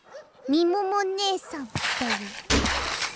みももねえさん？